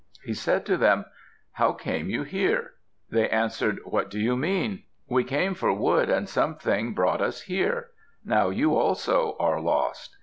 He said to them, "How came you here?" They answered, "What do you mean? We came for wood and something brought us here. Now you also are lost."